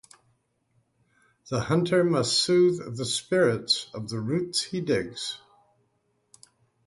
The hunter must soothe the spirit of the roots he digs.